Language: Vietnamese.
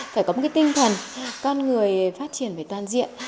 phải có một cái tinh thần con người phát triển về toàn diện